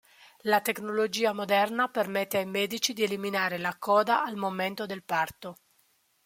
La tecnologia moderna permette ai medici di eliminare la coda al momento del parto.